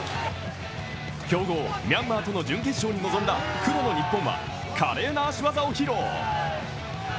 強豪・ミャンマーとの準決勝に臨んだ黒の日本は華麗な足技を披露。